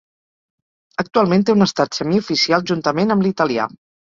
Actualment té un estat semioficial juntament amb l'italià.